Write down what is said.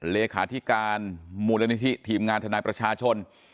เลขาธิการมูลนิธิทีมงานทนายประชาชน